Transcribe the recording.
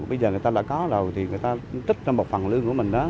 bây giờ người ta là có rồi thì người ta trích ra một phần lương của mình đó